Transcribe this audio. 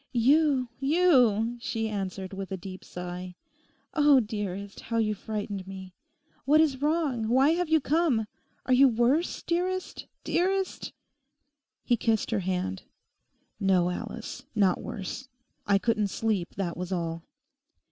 'You, you!' she answered with a deep sigh. 'Oh, dearest, how you frightened me. What is wrong? why have you come? Are you worse, dearest, dearest?' He kissed her hand. 'No, Alice, not worse. I couldn't sleep, that was all.